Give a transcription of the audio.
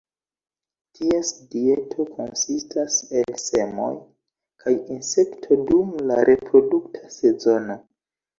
Ties dieto konsistas el semoj, kaj insekto dum la reprodukta sezono.